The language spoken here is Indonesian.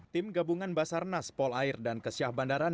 tim gabungan basarnas polair dan kesyah bandaran